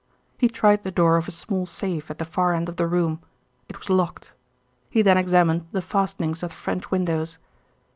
He tried the door of a small safe at the far end of the room; it was locked. He then examined the fastenings of the French windows.